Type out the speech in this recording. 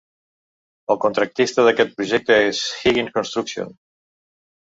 El contractista d'aquest projecte és Higgins Construction.